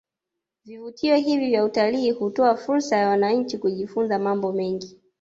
Vivutio hivi vya utalii hutoa fursa ya wananchi kujifunza mambo mengi